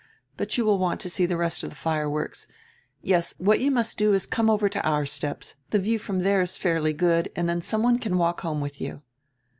"But you will want to see the rest of the fireworks. Yes, what you must do is to come over to our steps, the view from there is fairly good, and then some one can walk home with you."